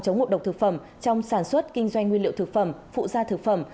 chống ngộ độc thực phẩm trong sản xuất kinh doanh nguyên liệu thực phẩm phụ gia thực phẩm